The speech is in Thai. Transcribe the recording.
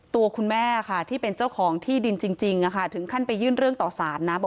ตัวคุณแม่ค่ะที่เป็นเจ้าของที่ดินจริงถึงขั้นไปยื่นเรื่องต่อสารนะ